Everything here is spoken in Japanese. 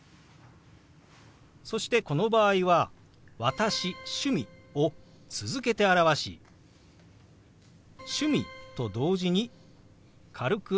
そしてこの場合は「私趣味」を続けて表し「趣味」と同時に軽くあごを下げます。